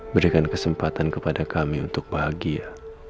berikan kesempatan kepada kami untuk bahagia